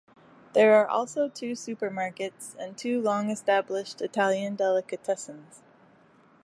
There are also two supermarkets and two long-established Italian delicatessens.